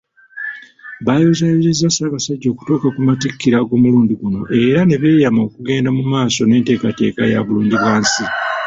Bayozaayozezza Ssaabasajja okutuuka ku matikira ag'omulundi guno era ne beeyama okugenda maaso n'enteekateeka ya Bulungibwansi.